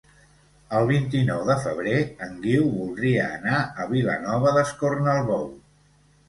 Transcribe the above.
El vint-i-nou de febrer en Guiu voldria anar a Vilanova d'Escornalbou.